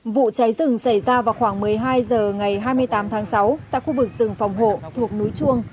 vụ cháy rừng xảy ra vào khoảng một mươi hai h ngày hai mươi tám tháng sáu tại khu vực rừng phòng hộ thuộc núi chuông